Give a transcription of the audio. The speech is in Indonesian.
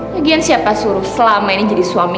lagian siapa suruh selama ini jadi suami